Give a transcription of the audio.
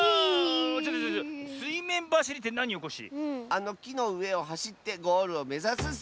あのきのうえをはしってゴールをめざすッス！